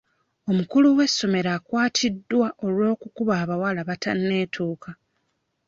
Omukulu w'essomero akwatiddwa olw'okukuba abawala abatanneetuuka.